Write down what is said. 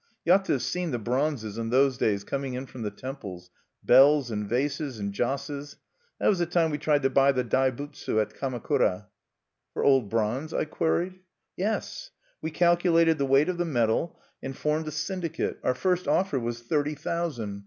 You ought to have seen the bronzes, in those days, coming in from the temples, bells and vases and josses! That was the time we tried to buy the Daibutsu at Kamakura." "For old bronze?" I queried. "Yes. We calculated the weight of the metal, and formed a syndicate. Our first offer was thirty thousand.